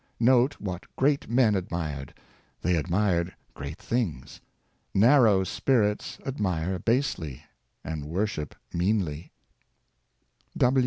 Note what great men admired ; they admired great things ; narrow spirits admire basely, and worship meanly."